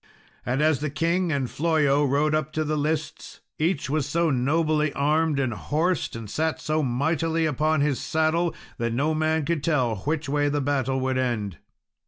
And as the king and Flollo rode up to the lists, each was so nobly armed and horsed, and sat so mightily upon his saddle, that no man could tell which way the battle would end.